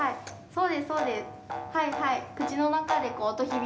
そうです、そうです。